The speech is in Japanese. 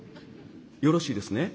よろしいですね。